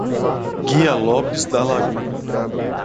Guia Lopes da Laguna